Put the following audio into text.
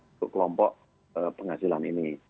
untuk kelompok penghasilan ini